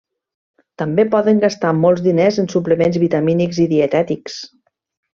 També poden gastar molts diners en suplements vitamínics i dietètics.